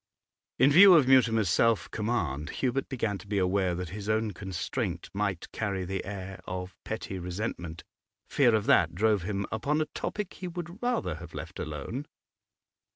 In view of Mutimer's self command, Hubert began to be aware that his own constraint might carry the air of petty resentment Fear of that drove him upon a topic he would rather have left alone.